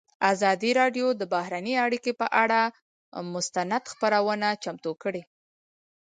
ازادي راډیو د بهرنۍ اړیکې پر اړه مستند خپرونه چمتو کړې.